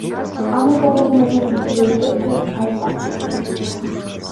Аны толугу менен бүтүрүүгө төрт ай убакыт кеткен.